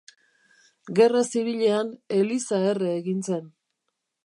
Gerra Zibilean eliza erre egin zen.